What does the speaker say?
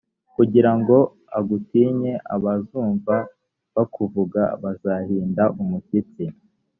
kugira ngo agutinye abazumva bakuvuga, bazahinda umushyitsi